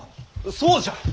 そうじゃ。